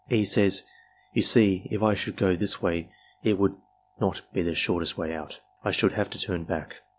E. says: "You see, if I should go this way, it would not be the shortest way out. I should have to turn back.''